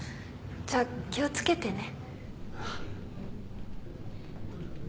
じゃあ気を付けてね。